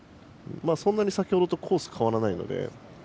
そんなに先ほどとコースは変わらないので。